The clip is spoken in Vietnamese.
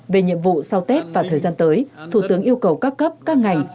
về nhiệm vụ sau tết và thời gian tới thủ tướng yêu cầu các cấp các ngành